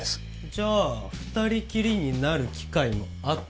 じゃあ２人きりになる機会もあったはずだ。